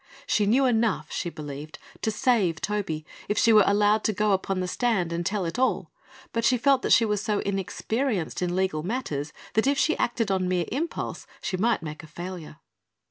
She knew enough, she believed, to save Toby if she were allowed to go upon the stand and tell it all; but she felt that she was so inexperienced in legal matters that if she acted on mere impulse she might make a failure.